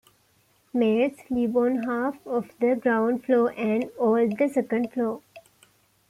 Males live on half of the ground floor and all of the second floor.